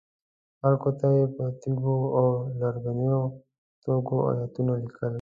خلکو ته یې پر تیږو او لرګینو توکو ایتونه لیکل.